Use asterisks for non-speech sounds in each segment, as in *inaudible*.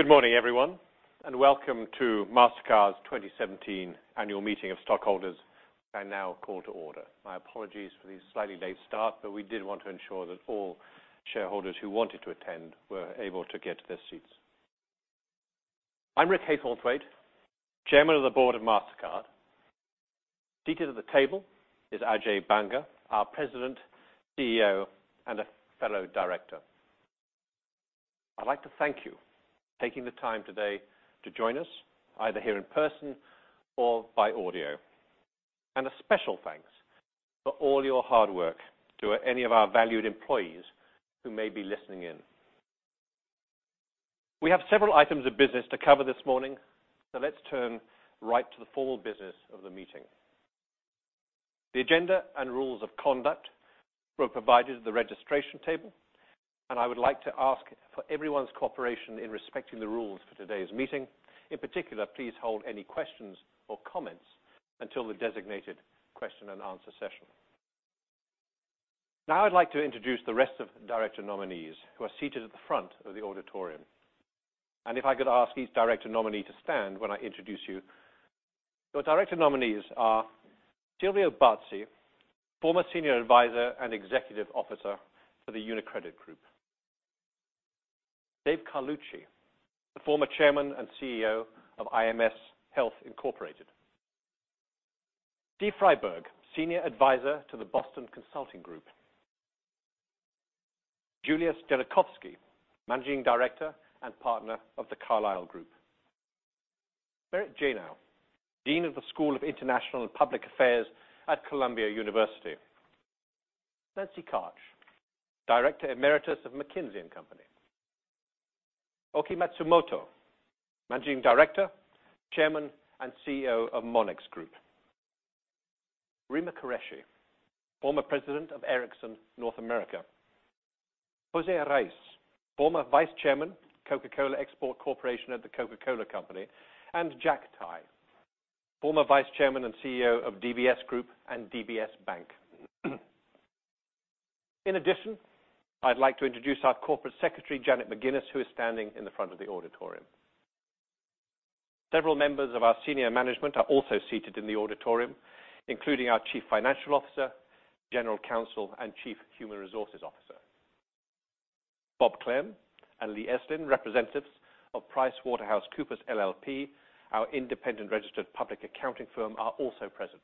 Good morning, everyone, and welcome to Mastercard's 2017 Annual Meeting of Stockholders, which I now call to order. My apologies for the slightly late start, we did want to ensure that all shareholders who wanted to attend were able to get to their seats. I'm Rick Haythornthwaite, Chairman of the Board of Mastercard. Seated at the table is Ajay Banga, our President, CEO, and a fellow director. I'd like to thank you for taking the time today to join us, either here in person or by audio. A special thanks for all your hard work to any of our valued employees who may be listening in. We have several items of business to cover this morning, let's turn right to the formal business of the meeting. The agenda and rules of conduct were provided at the registration table, I would like to ask for everyone's cooperation in respecting the rules for today's meeting. In particular, please hold any questions or comments until the designated question and answer session. I'd like to introduce the rest of the director nominees who are seated at the front of the auditorium. If I could ask each director nominee to stand when I introduce you. The director nominees are Silvio Barzi, former Senior Advisor and Executive Officer for the UniCredit Group. Dave Carlucci, the former Chairman and CEO of IMS Health Incorporated. Steve Freiberg, Senior Advisor to the Boston Consulting Group. Julius Genachowski, Managing Director and Partner of The Carlyle Group. Merit Janow, Dean of the School of International and Public Affairs at Columbia University. Nancy Karch, Director Emeritus of McKinsey & Company. Oki Matsumoto, Managing Director, Chairman, and CEO of Monex Group. Rima Qureshi, former President of Ericsson North America. José Reyes, former Vice Chairman, Coca-Cola Export Corporation at The Coca-Cola Company, Jack Tai, former Vice Chairman and CEO of DBS Group and DBS Bank. In addition, I'd like to introduce our Corporate Secretary, Janet McGinnis, who is standing in the front of the auditorium. Several members of our senior management are also seated in the auditorium, including our Chief Financial Officer, General Counsel, and Chief Human Resources Officer. Bob Clem and Lee Estlin, representatives of PricewaterhouseCoopers LLP, our independent registered public accounting firm, are also present.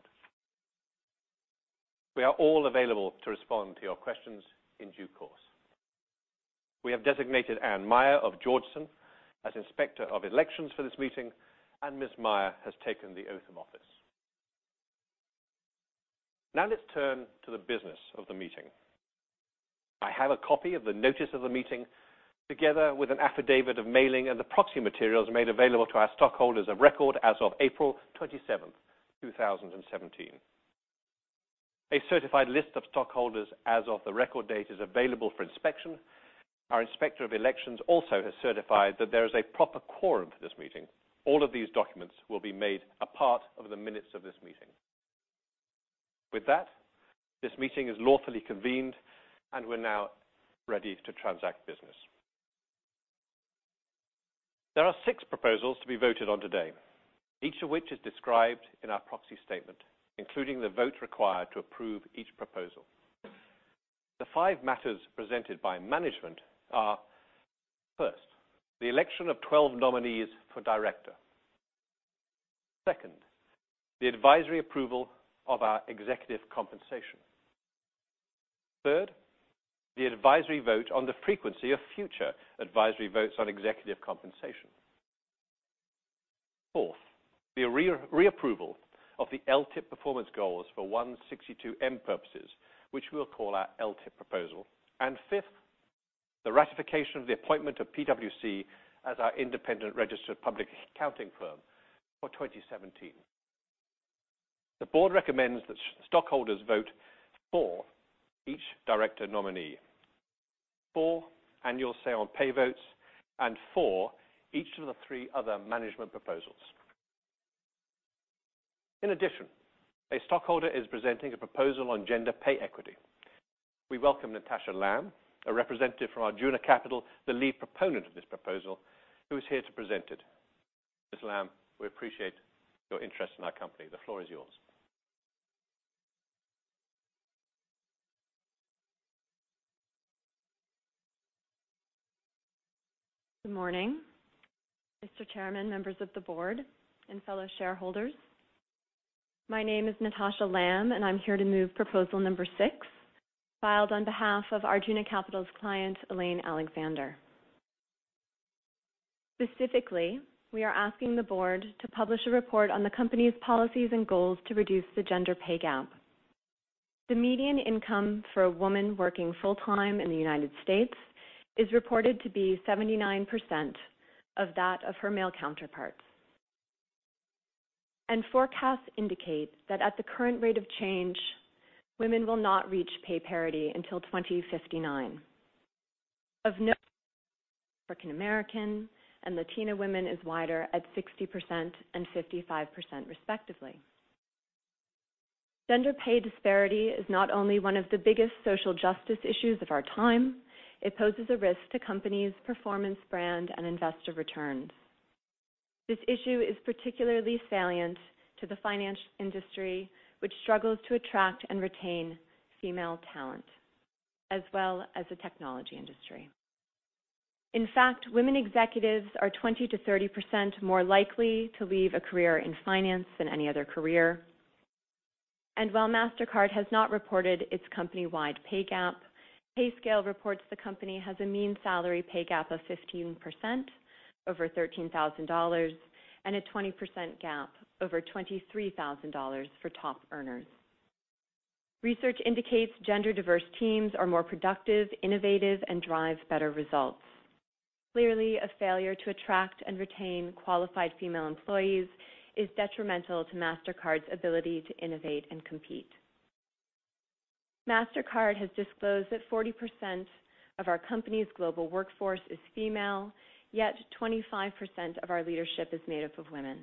We are all available to respond to your questions in due course. We have designated Anne Meyer of [Jordens] as Inspector of Elections for this meeting, Ms. Meyer has taken the oath of office. Let's turn to the business of the meeting. I have a copy of the notice of the meeting, together with an affidavit of mailing, the proxy materials made available to our stockholders of record as of April 27th, 2017. A certified list of stockholders as of the record date is available for inspection. Our Inspector of Elections also has certified that there is a proper quorum for this meeting. All of these documents will be made a part of the minutes of this meeting. With that, this meeting is lawfully convened, we're now ready to transact business. There are six proposals to be voted on today, each of which is described in our proxy statement, including the vote required to approve each proposal. The five matters presented by management are, first, the election of 12 nominees for director. Second, the advisory approval of our executive compensation. Third, the advisory vote on the frequency of future advisory votes on executive compensation. Fourth, the re-approval of the LTIP performance goals for Section 162(m) purposes, which we'll call our LTIP proposal. Fifth, the ratification of the appointment of PwC as our independent registered public accounting firm for 2017. The board recommends that stockholders vote for each director nominee, for annual say on pay votes, and for each of the three other management proposals. In addition, a stockholder is presenting a proposal on gender pay equity. We welcome Natasha Lamb, a representative from Arjuna Capital, the lead proponent of this proposal, who is here to present it. Ms. Lamb, we appreciate your interest in our company. The floor is yours. Good morning, Mr. Chairman, members of the board, and fellow shareholders. My name is Natasha Lamb, and I'm here to move proposal number six, filed on behalf of Arjuna Capital's client, Elaine Alexander. Specifically, we are asking the board to publish a report on the company's policies and goals to reduce the gender pay gap. The median income for a woman working full time in the U.S. is reported to be 79% of that of her male counterparts. Forecasts indicate that at the current rate of change, women will not reach pay parity until 2059. Of note, African American and Latina women is wider at 60% and 55% respectively. Gender pay disparity is not only one of the biggest social justice issues of our time, it poses a risk to companies' performance brand and investor returns. This issue is particularly salient to the financial industry, which struggles to attract and retain female talent, as well as the technology industry. In fact, women executives are 20%-30% more likely to leave a career in finance than any other career. While Mastercard has not reported its company-wide pay gap, PayScale reports the company has a mean salary pay gap of 15%, over $13,000, and a 20% gap over $23,000 for top earners. Research indicates gender-diverse teams are more productive, innovative, and drive better results. Clearly, a failure to attract and retain qualified female employees is detrimental to Mastercard's ability to innovate and compete. Mastercard has disclosed that 40% of our company's global workforce is female, yet 25% of our leadership is made up of women.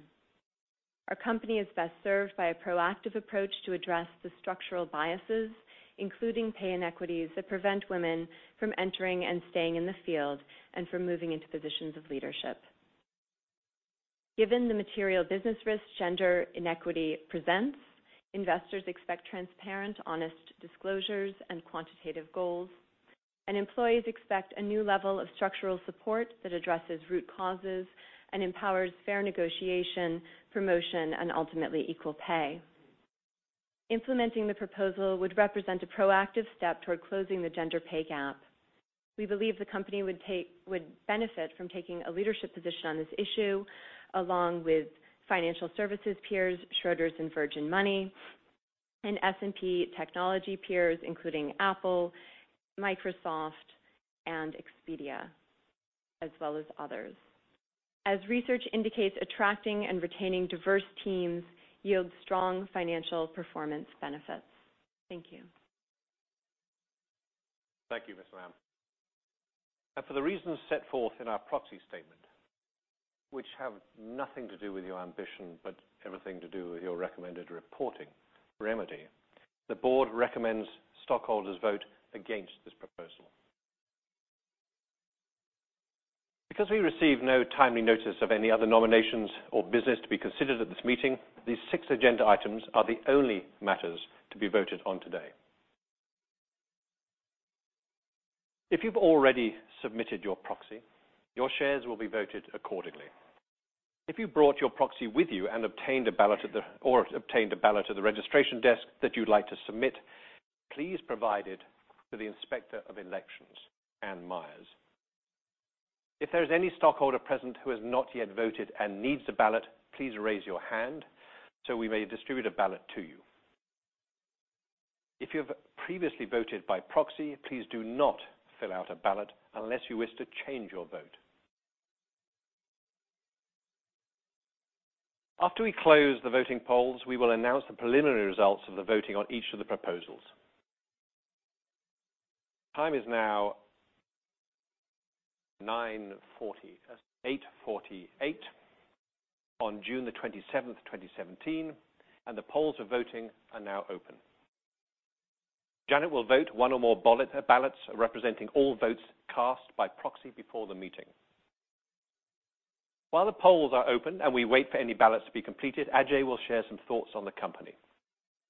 Our company is best served by a proactive approach to address the structural biases, including pay inequities, that prevent women from entering and staying in the field and from moving into positions of leadership. Given the material business risk gender inequity presents, investors expect transparent, honest disclosures and quantitative goals, employees expect a new level of structural support that addresses root causes and empowers fair negotiation, promotion, and ultimately equal pay. Implementing the proposal would represent a proactive step toward closing the gender pay gap. We believe the company would benefit from taking a leadership position on this issue, along with financial services peers Schroders and Virgin Money, S&P technology peers, including Apple, Microsoft, and Expedia, as well as others. Research indicates, attracting and retaining diverse teams yields strong financial performance benefits. Thank you. Thank you, Ms. Lamb. For the reasons set forth in our proxy statement, which have nothing to do with your ambition but everything to do with your recommended reporting remedy, the board recommends stockholders vote against this proposal. Because we received no timely notice of any other nominations or business to be considered at this meeting, these six agenda items are the only matters to be voted on today. If you've already submitted your proxy, your shares will be voted accordingly. If you brought your proxy with you or obtained a ballot at the registration desk that you'd like to submit, please provide it to the Inspector of Elections, Anne Meyer. If there is any stockholder present who has not yet voted and needs a ballot, please raise your hand so we may distribute a ballot to you. If you have previously voted by proxy, please do not fill out a ballot unless you wish to change your vote. After we close the voting polls, we will announce the preliminary results of the voting on each of the proposals. Time is now 8:48 A.M. on June the 27th, 2017, the polls for voting are now open. Janet will vote one or more ballots representing all votes cast by proxy before the meeting. While the polls are open and we wait for any ballots to be completed, Ajay will share some thoughts on the company.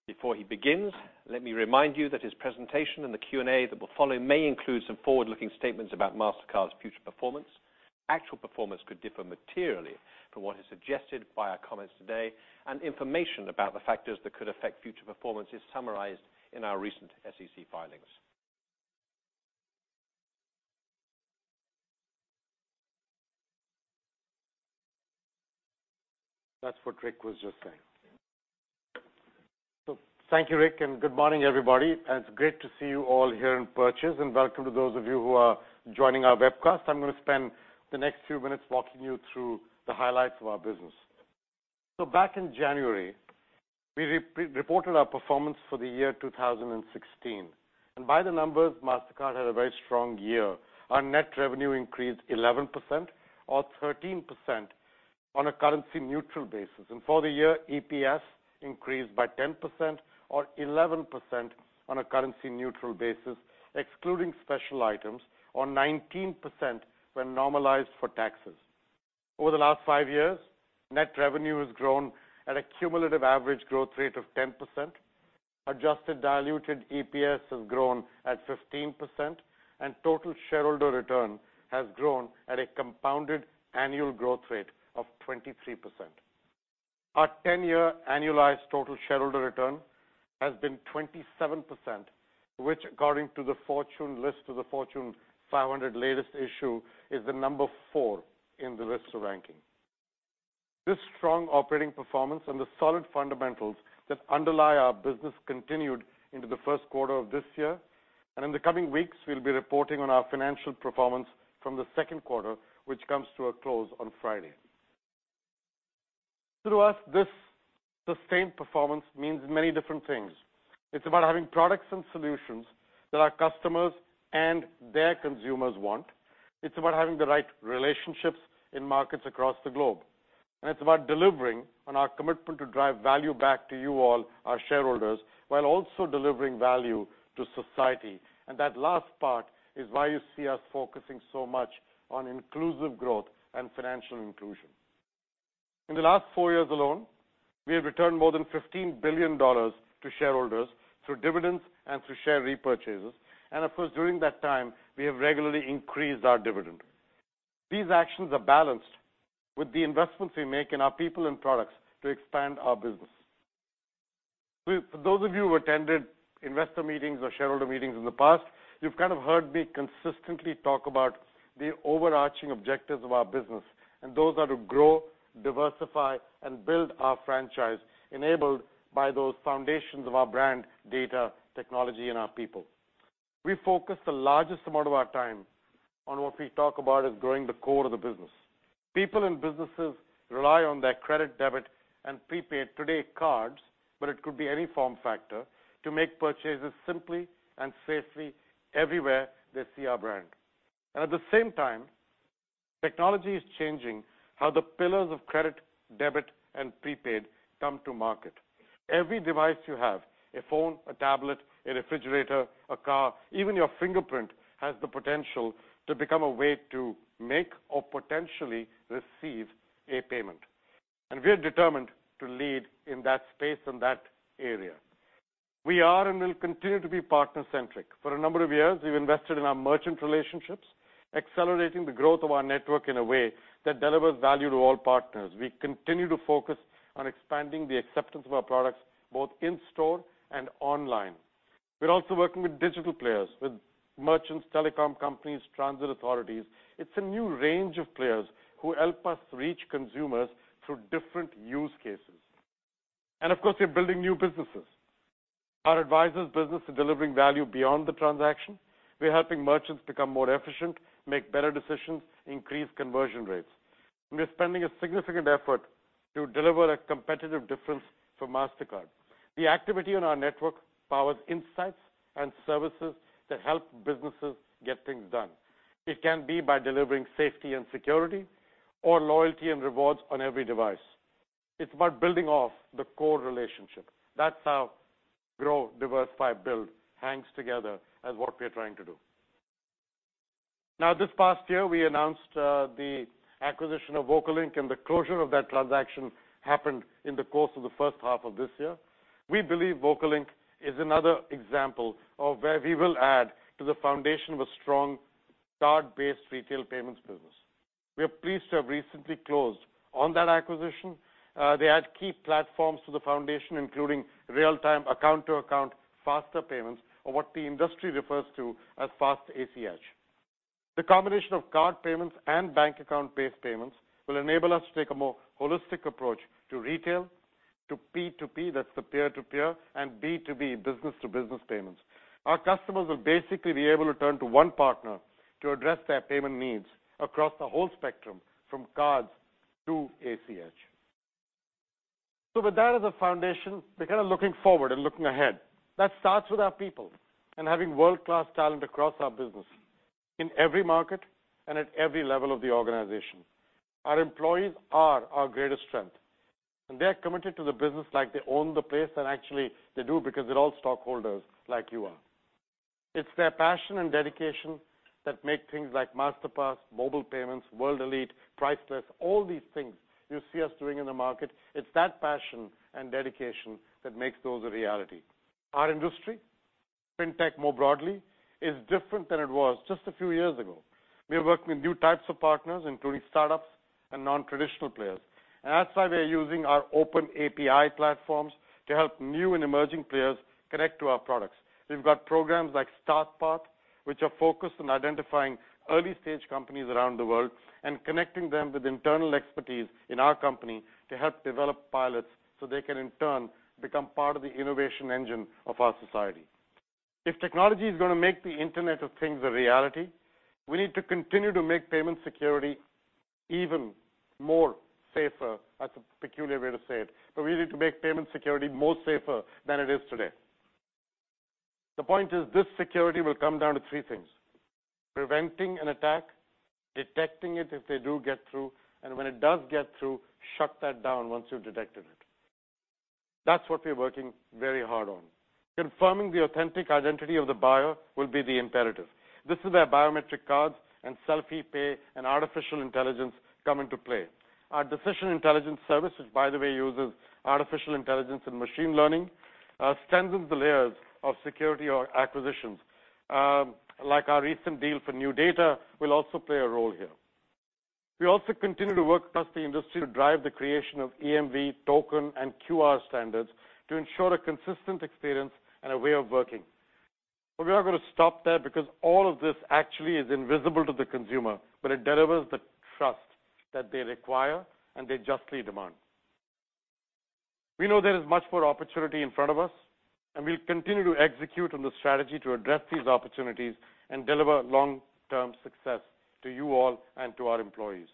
Before he begins, let me remind you that his presentation and the Q&A that will follow may include some forward-looking statements about Mastercard's future performance. Actual performance could differ materially from what is suggested by our comments today, information about the factors that could affect future performance is summarized in our recent SEC filings. That's what Rick was just saying. Thank you, Rick, good morning, everybody. It's great to see you all here in Purchase, welcome to those of you who are joining our webcast. I'm going to spend the next few minutes walking you through the highlights of our business. Back in January, we reported our performance for the year 2016. By the numbers, Mastercard had a very strong year. Our net revenue increased 11%, or 13% on a currency-neutral basis. For the year, EPS increased by 10%, or 11% on a currency-neutral basis, excluding special items, or 19% when normalized for taxes. Over the last five years, net revenue has grown at a cumulative average growth rate of 10%. Adjusted diluted EPS has grown at 15%, total shareholder return has grown at a compounded annual growth rate of 23%. Our 10-year annualized total shareholder return has been 27%, which, according to the Fortune list of the Fortune 500 latest issue, is the number 4 in the list of ranking. This strong operating performance and the solid fundamentals that underlie our business continued into the first quarter of this year. In the coming weeks, we'll be reporting on our financial performance from the second quarter, which comes to a close on Friday. To us, this sustained performance means many different things. It's about having products and solutions that our customers and their consumers want. It's about having the right relationships in markets across the globe. It's about delivering on our commitment to drive value back to you all, our shareholders, while also delivering value to society. That last part is why you see us focusing so much on inclusive growth and financial inclusion. In the last four years alone, we have returned more than $15 billion to shareholders through dividends and through share repurchases. Of course, during that time, we have regularly increased our dividend. These actions are balanced with the investments we make in our people and products to expand our business. For those of you who attended investor meetings or shareholder meetings in the past, you've kind of heard me consistently talk about the overarching objectives of our business, those are to grow, diversify, and build our franchise, enabled by those foundations of our brand, data, technology, and our people. We focus the largest amount of our time on what we talk about as growing the core of the business. People and businesses rely on their credit, debit, and prepaid today cards, but it could be any form factor, to make purchases simply and safely everywhere they see our brand. At the same time, technology is changing how the pillars of credit, debit, and prepaid come to market. Every device you have, a phone, a tablet, a refrigerator, a car, even your fingerprint, has the potential to become a way to make or potentially receive a payment. We're determined to lead in that space and that area. We are and will continue to be partner-centric. For a number of years, we've invested in our merchant relationships, accelerating the growth of our network in a way that delivers value to all partners. We continue to focus on expanding the acceptance of our products, both in-store and online. We're also working with digital players, with merchants, telecom companies, transit authorities. It's a new range of players who help us reach consumers through different use cases. Of course, we're building new businesses. Our advisors business is delivering value beyond the transaction. We're helping merchants become more efficient, make better decisions, increase conversion rates. We're spending a significant effort to deliver a competitive difference for Mastercard. The activity on our network powers insights and services that help businesses get things done. It can be by delivering safety and security or loyalty and rewards on every device. It's about building off the core relationship. That's how grow, diversify, build hangs together as what we're trying to do. This past year, we announced the acquisition of VocaLink, the closure of that transaction happened in the course of the first half of this year. We believe VocaLink is another example of where we will add to the foundation of a strong card-based retail payments business. We are pleased to have recently closed on that acquisition. They add key platforms to the foundation, including real-time account-to-account faster payments or what the industry refers to as fast ACH. The combination of card payments and bank account-based payments will enable us to take a more holistic approach to retail, to P2P, that's the peer-to-peer, and B2B, business-to-business payments. Our customers will basically be able to turn to one partner to address their payment needs across the whole spectrum, from cards to ACH. With that as a foundation, we're kind of looking forward and looking ahead. That starts with our people and having world-class talent across our business in every market and at every level of the organization. Our employees are our greatest strength, they're committed to the business like they own the place. Actually, they do because they're all stockholders like you are. It's their passion and dedication that make things like Masterpass, mobile payments, World Elite, Priceless, all these things you see us doing in the market. It's that passion and dedication that makes those a reality. Our industry, fintech more broadly, is different than it was just a few years ago. We are working with new types of partners, including startups and non-traditional players. That's why we are using our open API platforms to help new and emerging players connect to our products. We've got programs like Start Path, which are focused on identifying early-stage companies around the world and connecting them with internal expertise in our company to help develop pilots so they can in turn become part of the innovation engine of our society. If technology is going to make the Internet of Things a reality, we need to continue to make payment security even more safer. That's a peculiar way to say it, but we need to make payment security more safer than it is today. The point is this security will come down to three things: preventing an attack, detecting it if they do get through, and when it does get through, shut that down once you've detected it. That's what we're working very hard on. Confirming the authentic identity of the buyer will be the imperative. This is where biometric cards and selfie pay and artificial intelligence come into play. Our Decision Intelligence service, which by the way, uses artificial intelligence and machine learning, strengthens the layers of security, our acquisitions. Like our recent deal for NuData Security will also play a role here. We also continue to work across the industry to drive the creation of EMV token and QR standards to ensure a consistent experience and a way of working. We are going to stop there because all of this actually is invisible to the consumer, but it delivers the trust that they require and they justly demand. We know there is much more opportunity in front of us, and we'll continue to execute on the strategy to address these opportunities and deliver long-term success to you all and to our employees.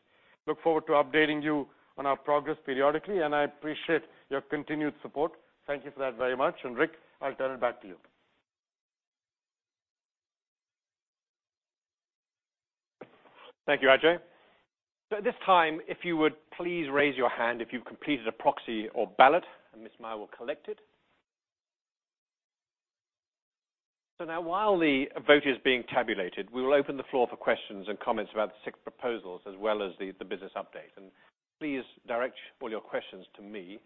Look forward to updating you on our progress periodically. I appreciate your continued support. Thank you for that very much. Rick, I'll turn it back to you. Thank you, Ajay. At this time, if you would please raise your hand if you've completed a proxy or ballot, and Ms. Meyer will collect it. Now while the vote is being tabulated, we will open the floor for questions and comments about the six proposals as well as the business update. Please direct all your questions to me.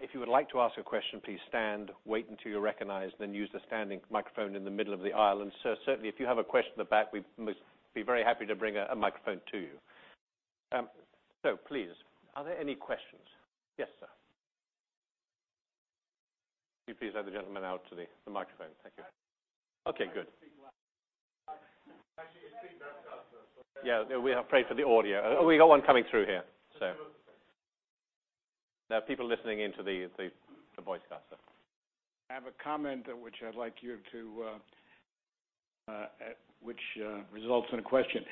If you would like to ask a question, please stand, wait until you're recognized, then use the standing microphone in the middle of the aisle. Sir, certainly, if you have a question at the back, we'd be very happy to bring a microphone to you. Please, are there any questions? Yes, sir. Could you please let the gentleman out to the microphone? Thank you. Okay, good. Actually, it seems I've got one. Yeah. We have prayed for the audio. We got one coming through here. There are people listening in to the webcast. I have a comment which results in a question.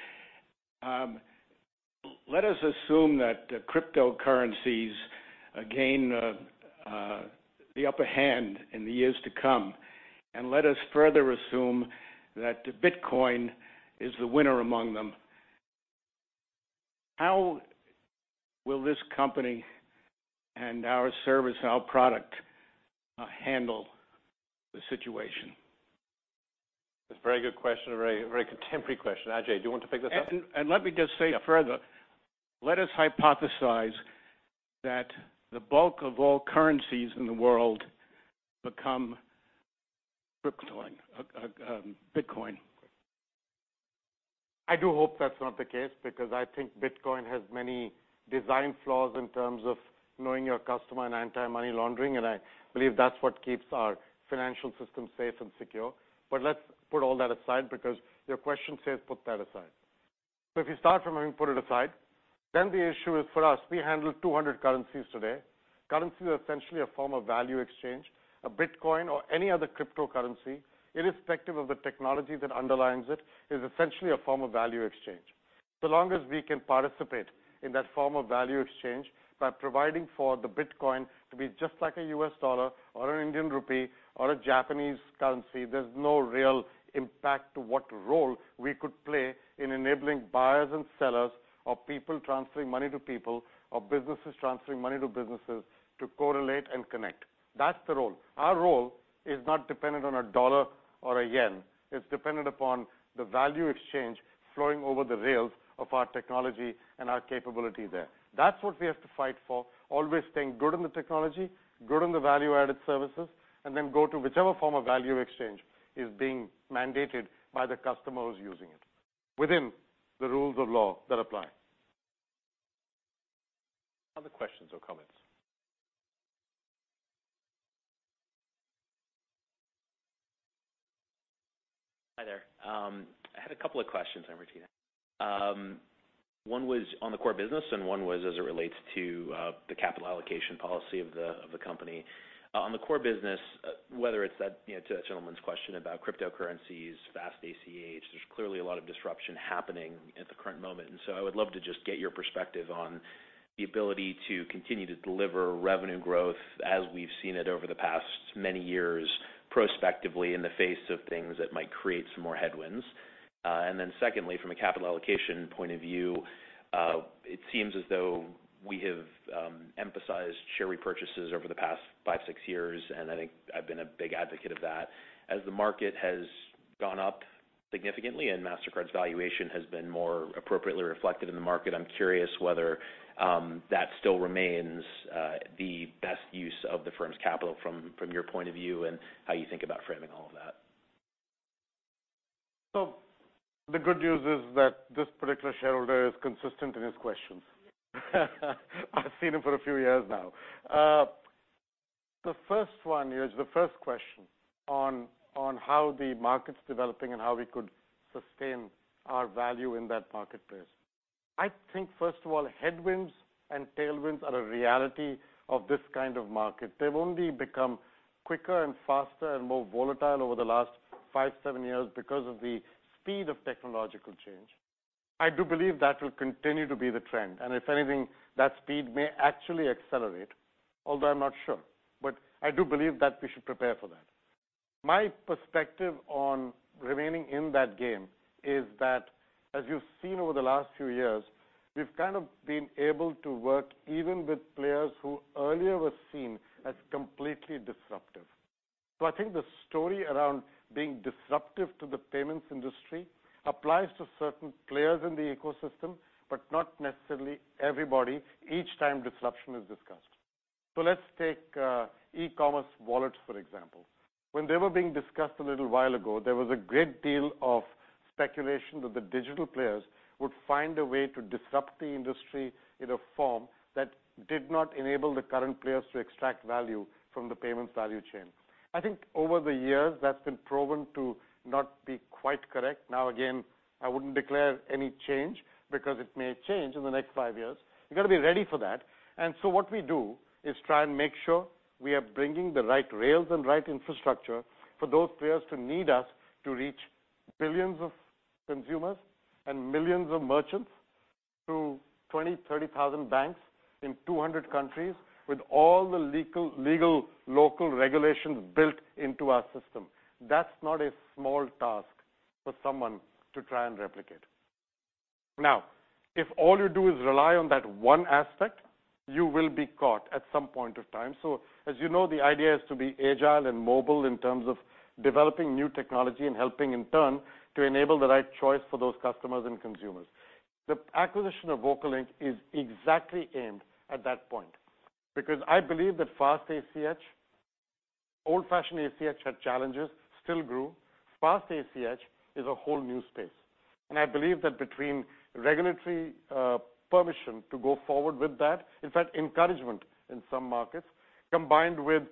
Let us assume that cryptocurrencies gain the upper hand in the years to come, and let us further assume that Bitcoin is the winner among them. How will this company and our service and our product handle the situation? That's a very good question, a very contemporary question. Ajay, do you want to pick this up? Let me just say further, let us hypothesize that the bulk of all currencies in the world become Bitcoin. I do hope that's not the case because I think Bitcoin has many design flaws in terms of knowing your customer and anti-money laundering, and I believe that's what keeps our financial system safe and secure. Let's put all that aside because your question says put that aside. If you start from having put it aside, then the issue is for us, we handle 200 currencies today. Currencies are essentially a form of value exchange. A Bitcoin or any other cryptocurrency, irrespective of the technology that underlines it, is essentially a form of value exchange. Long as we can participate in that form of value exchange by providing for the Bitcoin to be just like a US dollar or an Indian rupee or a Japanese currency, there's no real impact to what role we could play in enabling buyers and sellers or people transferring money to people or businesses transferring money to businesses to correlate and connect. That's the role. Our role is not dependent on a dollar or a yen. It's dependent upon the value exchange flowing over the rails of our technology and our capability there. That's what we have to fight for, always staying good in the technology, good in the value-added services, then go to whichever form of value exchange is being mandated by the customers using it within the rules of law that apply. Other questions or comments. Hi there. I had a couple of questions. I'm. *inaudible* One was on the core business, and one was as it relates to the capital allocation policy of the company. On the core business, whether it's that gentleman's question about cryptocurrencies, fast ACH, there's clearly a lot of disruption happening at the current moment. I would love to just get your perspective on the ability to continue to deliver revenue growth as we've seen it over the past many years, prospectively in the face of things that might create some more headwinds. Then secondly, from a capital allocation point of view, it seems as though we have emphasized share repurchases over the past five, six years, and I think I've been a big advocate of that. The market has gone up significantly and Mastercard's valuation has been more appropriately reflected in the market, I'm curious whether that still remains the best use of the firm's capital from your point of view and how you think about framing all of that. The good news is that this particular shareholder is consistent in his questions. I've seen him for a few years now. The first one is the first question on how the market's developing and how we could sustain our value in that marketplace. First of all, headwinds and tailwinds are a reality of this kind of market. They've only become quicker and faster and more volatile over the last five, seven years because of the speed of technological change. I do believe that will continue to be the trend. If anything, that speed may actually accelerate, although I'm not sure. I do believe that we should prepare for that. My perspective on remaining in that game is that as you've seen over the last few years, we've kind of been able to work even with players who earlier were seen as completely disruptive. The story around being disruptive to the payments industry applies to certain players in the ecosystem, but not necessarily everybody each time disruption is discussed. Let's take e-commerce wallets, for example. When they were being discussed a little while ago, there was a great deal of speculation that the digital players would find a way to disrupt the industry in a form that did not enable the current players to extract value from the payments value chain. Over the years, that's been proven to not be quite correct. Again, I wouldn't declare any change because it may change in the next five years. You got to be ready for that. What we do is try and make sure we are bringing the right rails and right infrastructure for those players to need us to reach billions of consumers and millions of merchants through 20,000, 30,000 banks in 200 countries with all the legal local regulations built into our system. That's not a small task for someone to try and replicate. If all you do is rely on that one aspect, you will be caught at some point of time. As you know, the idea is to be agile and mobile in terms of developing new technology and helping in turn to enable the right choice for those customers and consumers. The acquisition of VocaLink is exactly aimed at that point. I believe that fast ACH, old-fashioned ACH had challenges, still grew. Fast ACH is a whole new space. I believe that between regulatory permission to go forward with that, in fact, encouragement in some markets, combined with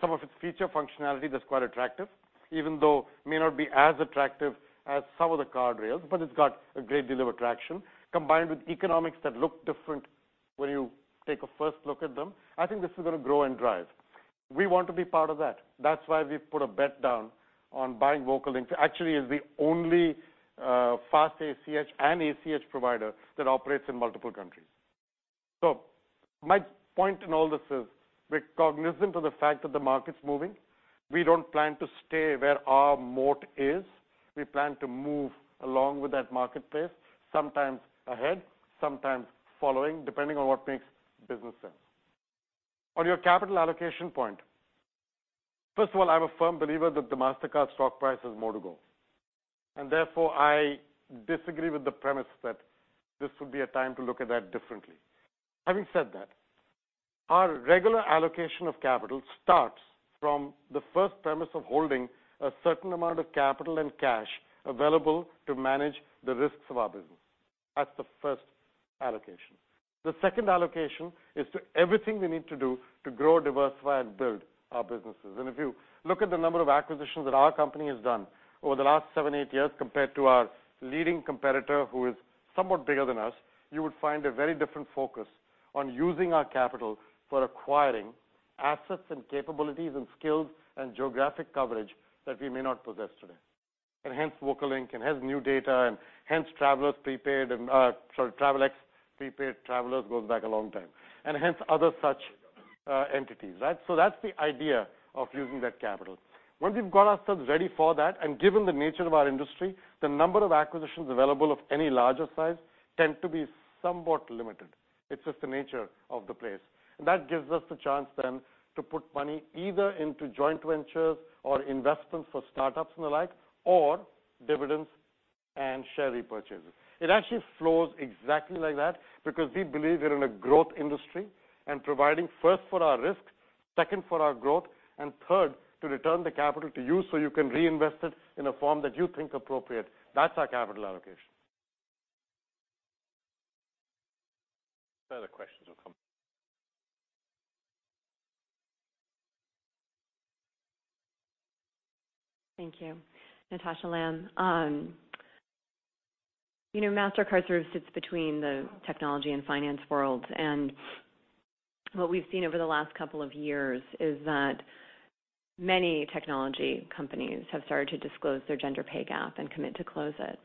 some of its feature functionality that's quite attractive, even though it may not be as attractive as some of the card rails, it's got a great deal of attraction, combined with economics that look different when you take a first look at them. This is going to grow and drive. We want to be part of that. That's why we've put a bet down on buying VocaLink. It's the only fast ACH and ACH provider that operates in multiple countries. My point in all this is we're cognizant of the fact that the market's moving. We don't plan to stay where our moat is. We plan to move along with that marketplace, sometimes ahead, sometimes following, depending on what makes business sense. On your capital allocation point, first of all, I'm a firm believer that the Mastercard stock price has more to go. Therefore, I disagree with the premise that this would be a time to look at that differently. Having said that, our regular allocation of capital starts from the first premise of holding a certain amount of capital and cash available to manage the risks of our business. That's the first allocation. The second allocation is to everything we need to do to grow, diversify, and build our businesses. If you look at the number of acquisitions that our company has done over the last seven, eight years compared to our leading competitor, who is somewhat bigger than us, you would find a very different focus on using our capital for acquiring assets and capabilities and skills and geographic coverage that we may not possess today. Hence VocaLink and hence NuData, and hence Travelex prepaid. Travelex goes back a long time. Hence other such entities, right? That's the idea of using that capital. Once we've got ourselves ready for that, given the nature of our industry, the number of acquisitions available of any larger size tend to be somewhat limited. It's just the nature of the place. That gives us the chance then to put money either into joint ventures or investments for startups and the like, or dividends and share repurchases. It actually flows exactly like that because we believe we're in a growth industry and providing first for our risks, second for our growth, and third, to return the capital to you so you can reinvest it in a form that you think appropriate. That's our capital allocation. Further questions will come. Thank you. Natasha Lamb. Mastercard sort of sits between the technology and finance worlds. What we've seen over the last couple of years is that many technology companies have started to disclose their gender pay gap and commit to close it.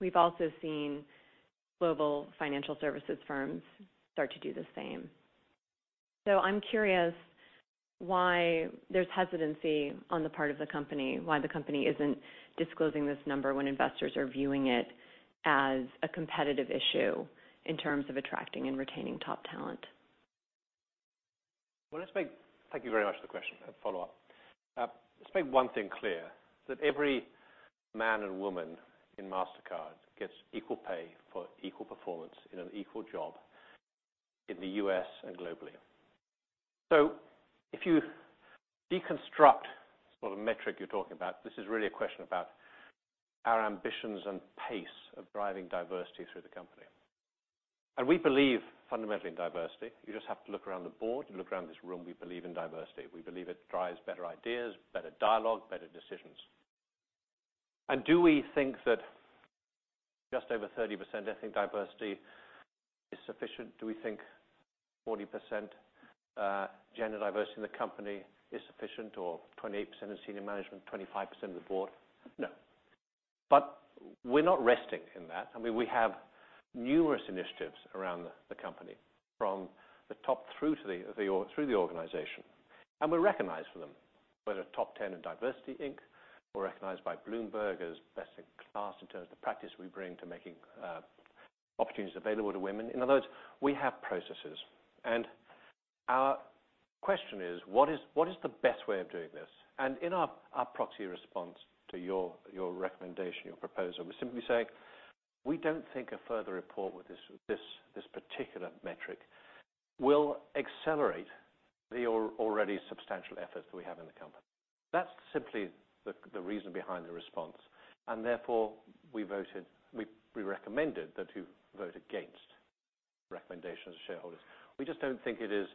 We've also seen global financial services firms start to do the same. I'm curious why there's hesitancy on the part of the company, why the company isn't disclosing this number when investors are viewing it as a competitive issue in terms of attracting and retaining top talent. Well, thank you very much for the question and follow-up. Let's make one thing clear, that every man and woman in Mastercard gets equal pay for equal performance in an equal job in the U.S. and globally. If you deconstruct sort of metric you're talking about, this is really a question about our ambitions and pace of driving diversity through the company. We believe fundamentally in diversity. You just have to look around the board and look around this room. We believe in diversity. We believe it drives better ideas, better dialogue, better decisions. Do we think that just over 30% ethnic diversity is sufficient? Do we think 40% gender diversity in the company is sufficient, or 28% in senior management, 25% of the board? No. We're not resting in that. We have numerous initiatives around the company from the top through the organization. We're recognized for them. We're the top 10 in DiversityInc. We're recognized by Bloomberg as best in class in terms of the practice we bring to making opportunities available to women. In other words, we have processes. Our question is, what is the best way of doing this? In our proxy response to your recommendation, your proposal, we're simply saying we don't think a further report with this particular metric will accelerate the already substantial efforts that we have in the company. That's simply the reason behind the response. Therefore, we recommended that you vote against recommendations of shareholders. We just don't think it is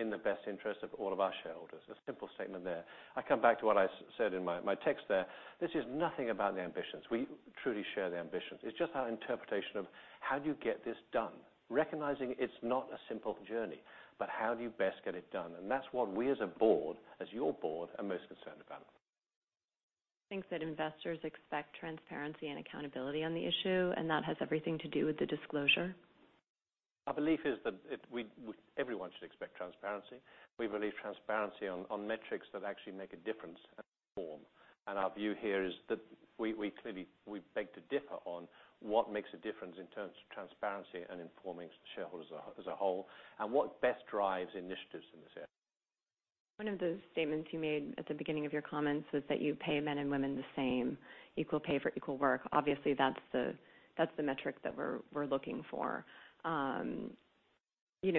in the best interest of all of our shareholders. A simple statement there. I come back to what I said in my text there. This is nothing about the ambitions. We truly share the ambitions. It's just our interpretation of how do you get this done? Recognizing it's not a simple journey, how do you best get it done? That's what we as a board, as your board, are most concerned about. Think that investors expect transparency and accountability on the issue, and that has everything to do with the disclosure? Our belief is that everyone should expect transparency. We believe transparency on metrics that actually make a difference and inform. Our view here is that we beg to differ on what makes a difference in terms of transparency and informing shareholders as a whole and what best drives initiatives in this area. One of the statements you made at the beginning of your comments was that you pay men and women the same, equal pay for equal work. Obviously, that's the metric that we're looking for.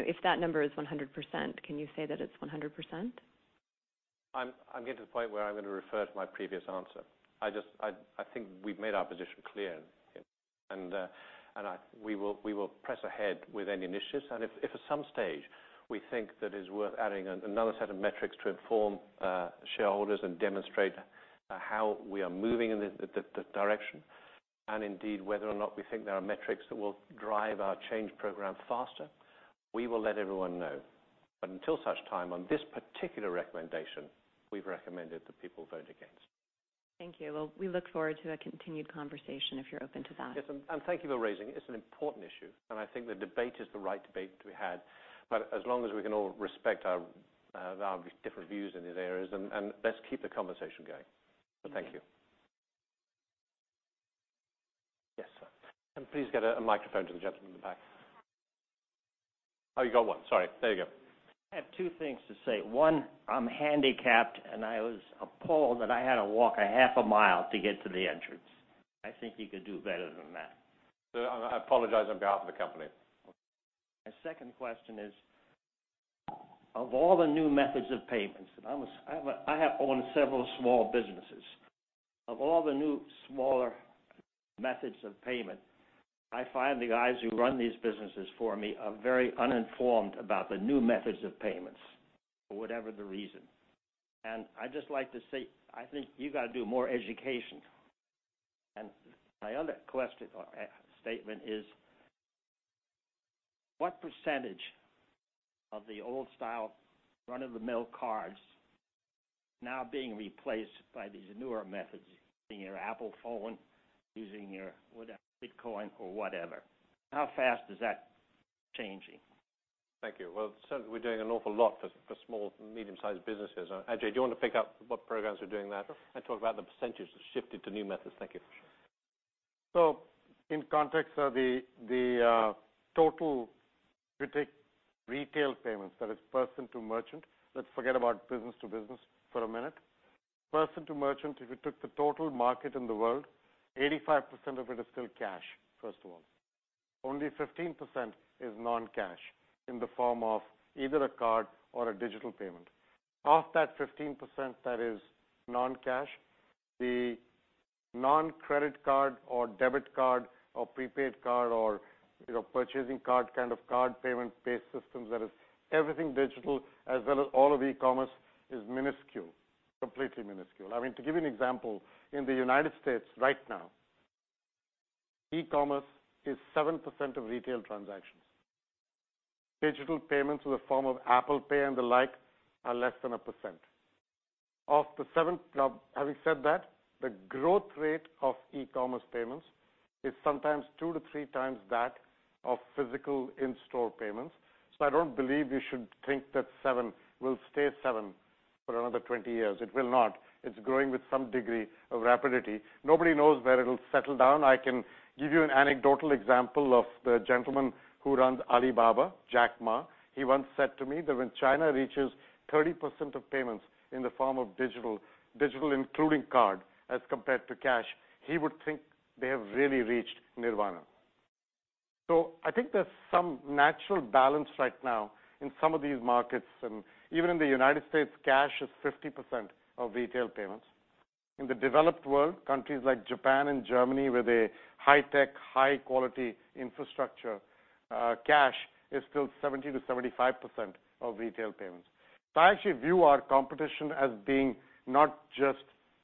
If that number is 100%, can you say that it's 100%? I'm getting to the point where I'm going to refer to my previous answer. I think we've made our position clear, and we will press ahead with any initiatives. If at some stage we think that it's worth adding another set of metrics to inform shareholders and demonstrate how we are moving in the direction, and indeed whether or not we think there are metrics that will drive our change program faster, we will let everyone know. Until such time on this particular recommendation, we've recommended that people vote against. Thank you. Well, we look forward to a continued conversation if you're open to that. Yes. Thank you for raising it. It's an important issue, and I think the debate is the right debate to be had. As long as we can all respect our different views in these areas, let's keep the conversation going. Thank you. Yes, sir. Please get a microphone to the gentleman in the back. Oh, you got one. Sorry. There you go. I have two things to say. One, I'm handicapped, and I was appalled that I had to walk a half a mile to get to the entrance. I think you could do better than that. Sir, I apologize on behalf of the company. My second question is, of all the new methods of payments, I have owned several small businesses. Of all the new smaller methods of payment, I find the guys who run these businesses for me are very uninformed about the new methods of payments, for whatever the reason. I'd just like to say, I think you got to do more education. My other statement is, what percentage of the old style run-of-the-mill cards now being replaced by these newer methods, in your Apple phone, using your Bitcoin or whatever. How fast is that changing? Thank you. Well, certainly, we're doing an awful lot for small- and medium-sized businesses. Ajay, do you want to pick up what programs are doing that and talk about the percentages shifted to new methods? Thank you. In context of the total credit retail payments, that is person to merchant. Let's forget about business to business for a minute. Person to merchant, if you took the total market in the world, 85% of it is still cash, first of all. Only 15% is non-cash in the form of either a card or a digital payment. Of that 15% that is non-cash, the non-credit card or debit card or prepaid card or purchasing card kind of card payment-based systems, that is everything digital, as well as all of e-commerce is minuscule, completely minuscule. I mean, to give you an example, in the United States right now, e-commerce is 7% of retail transactions. Digital payments in the form of Apple Pay and the like are less than a percent. Having said that, the growth rate of e-commerce payments is sometimes two to three times that of physical in-store payments. I don't believe you should think that seven will stay seven for another 20 years. It will not. It's growing with some degree of rapidity. Nobody knows where it'll settle down. I can give you an anecdotal example of the gentleman who runs Alibaba, Jack Ma. He once said to me that when China reaches 30% of payments in the form of digital, including card as compared to cash, he would think they have really reached nirvana. I think there's some natural balance right now in some of these markets, and even in the United States, cash is 50% of retail payments. In the developed world, countries like Japan and Germany, with a high-tech, high-quality infrastructure, cash is still 70%-75% of retail payments. I actually view our competition as being not just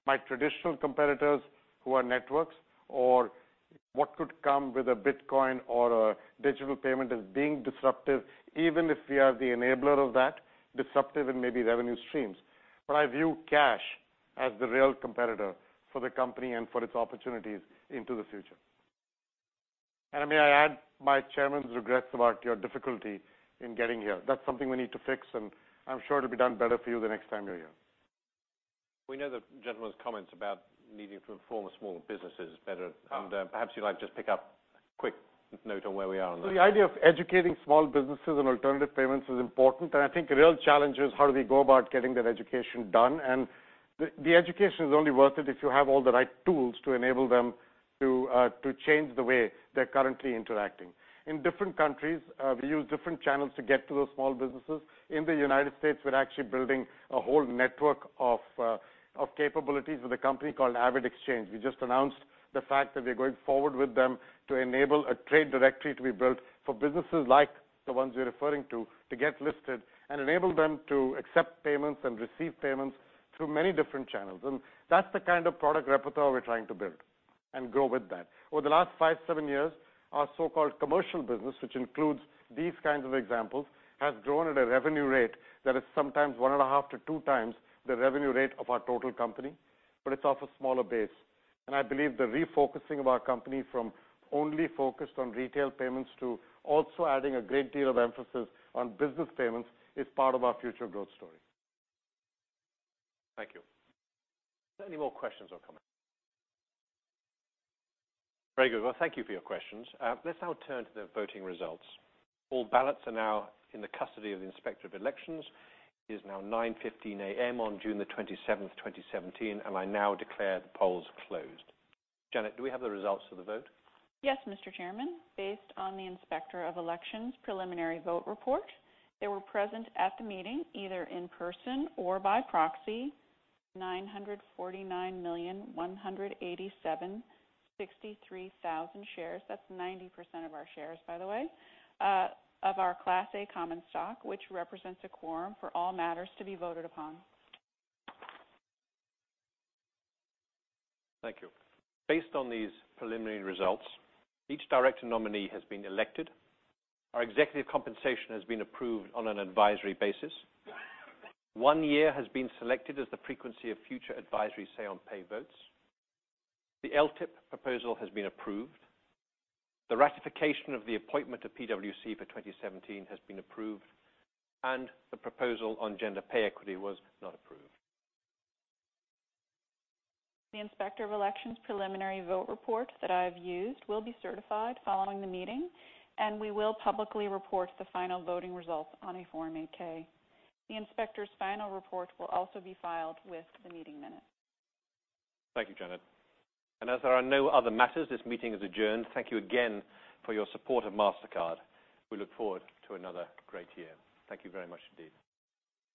my traditional competitors who are networks or what could come with a Bitcoin or a digital payment as being disruptive, even if we are the enabler of that disruptive and maybe revenue streams. I view cash as the real competitor for the company and for its opportunities into the future. May I add my chairman's regrets about your difficulty in getting here. That's something we need to fix, and I'm sure it'll be done better for you the next time you're here. We know the gentleman's comments about needing to inform small businesses better, perhaps you'd like just pick up a quick note on where we are on that. The idea of educating small businesses on alternative payments is important, I think the real challenge is how do we go about getting that education done. The education is only worth it if you have all the right tools to enable them to change the way they're currently interacting. In different countries, we use different channels to get to those small businesses. In the U.S., we're actually building a whole network of capabilities with a company called AvidXchange. We just announced the fact that we're going forward with them to enable a trade directory to be built for businesses like the ones you're referring to get listed and enable them to accept payments and receive payments through many different channels. That's the kind of product repertoire we're trying to build. Grow with that. Over the last five, seven years, our so-called commercial business, which includes these kinds of examples, has grown at a revenue rate that is sometimes one and a half to two times the revenue rate of our total company, it's off a smaller base. I believe the refocusing of our company from only focused on retail payments to also adding a great deal of emphasis on business payments is part of our future growth story. Thank you. Are there any more questions or comments? Very good. Well, thank you for your questions. Let's now turn to the voting results. All ballots are now in the custody of the Inspector of Elections. It is now 9:15 A.M. on June the 27th, 2017, I now declare the polls closed. Janet, do we have the results of the vote? Yes, Mr. Chairman. Based on the Inspector of Elections' preliminary vote report, there were present at the meeting, either in person or by proxy, 949,187,063 shares. That's 90% of our shares, by the way, of our Class A common stock, which represents a quorum for all matters to be voted upon. Thank you. Based on these preliminary results, each director nominee has been elected. Our executive compensation has been approved on an advisory basis. One year has been selected as the frequency of future advisory say on pay votes. The LTIP proposal has been approved. The ratification of the appointment of PwC for 2017 has been approved. The proposal on gender pay equity was not approved. The Inspector of Elections' preliminary vote report that I've used will be certified following the meeting. We will publicly report the final voting results on a Form 8-K. The Inspector's final report will also be filed with the meeting minutes. Thank you, Janet. As there are no other matters, this meeting is adjourned. Thank you again for your support of Mastercard. We look forward to another great year. Thank you very much indeed.